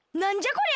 こりゃ！